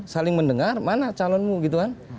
saling mendengar mana calonmu gitu kan